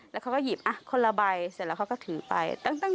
แล้วเขาก็หยิบอ่ะคนละใบเสร็จแล้วเขาก็ถือไปตั้งตั้งตั้ง